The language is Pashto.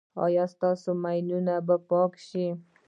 ایا ستاسو ماینونه به پاک شي؟